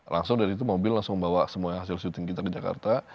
langsung dari itu mobil membawa semua hasil syuting kita ke jakarta